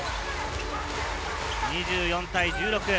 ２４対１６。